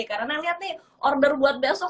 karena liat nih order buat besok